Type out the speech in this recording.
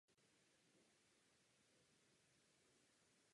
Úpravu jejich pořadí nebo přidávání nových lze provádět tahem myší.